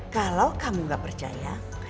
kalau kamu gak percaya